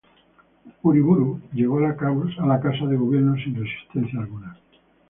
Uriburu llegó a la casa de Gobierno sin resistencia alguna.